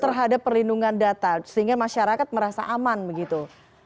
terhadap perlindungan data sehingga masyarakat merasa aman begitu